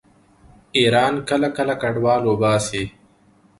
ایران کله کله کډوال وباسي.